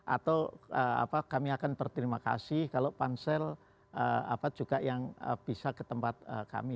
atau kami akan berterima kasih kalau pansel juga yang bisa ke tempat kami